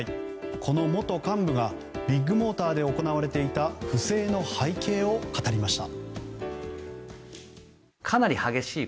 この元幹部がビッグモーターで行われていた不正の背景を語りました。